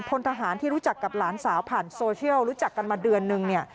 พลทหารที่รู้จักกับหลานสาวผ่านโซเชียลรู้จักกันมาเดือนนึงเนี่ย